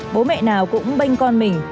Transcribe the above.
bố mẹ nào cũng bênh con mình